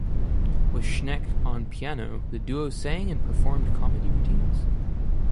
With Schenck on piano, the duo sang and performed comedy routines.